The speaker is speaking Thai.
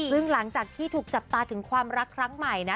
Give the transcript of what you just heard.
ซึ่งหลังจากที่ถูกจับตาถึงความรักครั้งใหม่นะ